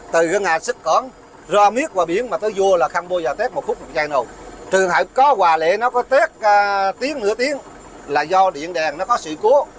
trường hải có hòa lệ nó có tết tiếng nửa tiếng là do điện đèn nó có sự cố